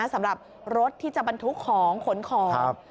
สำหรับรถที่จะบรรทุกของขนของ